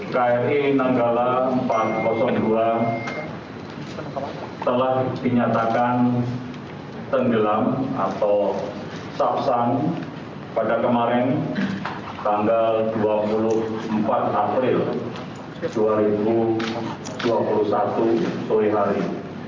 kri nanggala empat ratus dua telah dinyatakan tenggelam atau sabsang pada kemarin tanggal dua puluh empat april dua ribu dua puluh satu sore hari